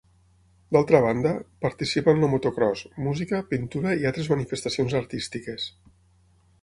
D'altra banda, participa en el motocròs, música, pintura i altres manifestacions artístiques.